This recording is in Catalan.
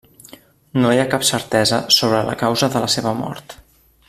No hi ha cap certesa sobre la causa de la seva mort.